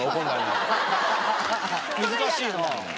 難しいな。